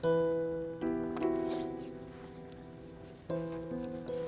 ya tidak perlu